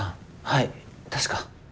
はい確か。